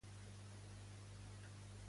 Com ha participat Forcadell?